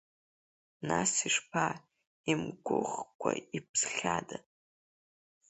Нас ишԥа, имгәыӷкәа иԥсхьада.